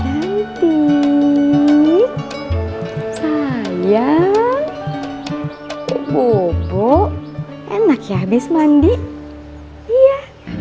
hai cantik sayang bobo enak ya habis mandi iya